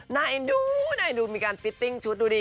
น่าอินดูน่าอินดูมีการพิตติ้งชุดดูดิ